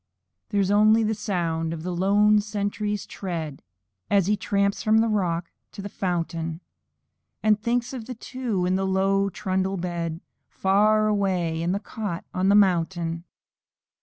There's only the sound of the lone sentry's tread, As he tramps from the rock to the fountain, And thinks of the two on the low trundle bed, Far away, in the cot on the mountain.